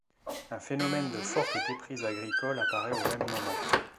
Un phénomène de forte déprise agricole apparaît au même moment.